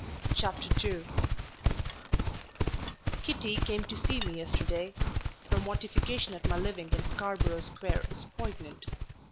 CHAPTER II Kitty came to see me yesterday. Her mortification at my living in Scarborough Square is poignant.